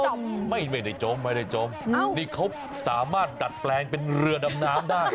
นี่เขาสามารถดัดแปลงเป็นเรือดำน้ำได้